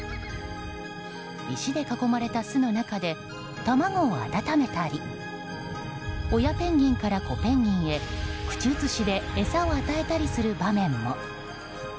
石で囲まれた巣の中で卵を温めたり親ペンギンから子ペンギンへ口移しで餌を与えたりする場面も。